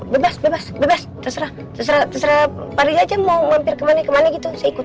bebas bebas bebas terserah terserah terserah pari aja mau mampir ke mana mana gitu saya ikut